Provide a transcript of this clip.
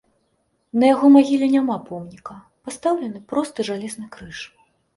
На яго магіле няма помніка, пастаўлены просты жалезны крыж.